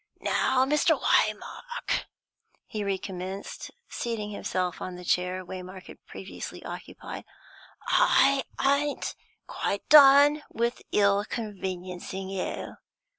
"Now, Mr. Waymark," he recommenced, seating himself on the chair Waymark had previously occupied, "I ain't quite done with ill conveniencin' you.